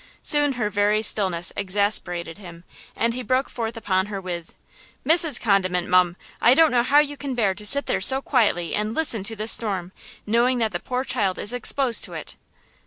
Soon her very stillness exasperated him and he broke forth upon her with: "Mrs. Condiment, mum, I don't know how you can bear to sit there so quietly and listen to this storm, knowing that the poor child is exposed to it?"